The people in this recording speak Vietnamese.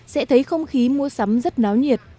sẽ thấy không khí mua sắm rất náo nhiệt